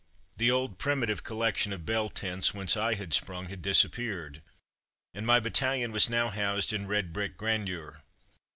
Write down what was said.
The old, primitive collection of bell tents, whence I had sprung, had disappeared, and my battalion was now housed in red brick grandeur.